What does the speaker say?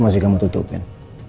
mau sih kamu tutupin